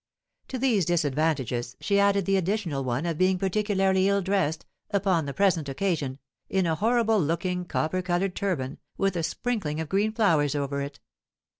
To these disadvantages, she added the additional one of being particularly ill dressed, upon the present occasion, in a horrible looking copper coloured turban, with a sprinkling of green flowers over it.